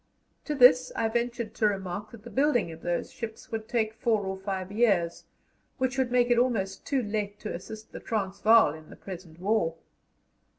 To this I ventured to remark that the building of those ships would take four or five years, which would make it almost too late to assist the Transvaal in the present war.